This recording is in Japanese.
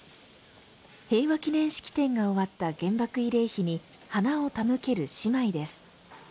平和記念式典が終わった原爆慰霊碑に花を手向ける姉妹です。